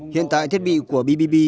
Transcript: hiện tại thiết bị của bbb